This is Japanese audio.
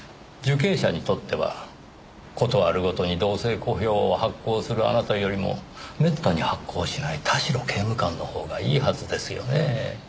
受刑者にとっては事あるごとに動静小票を発行するあなたよりもめったに発行しない田代刑務官のほうがいいはずですよねぇ。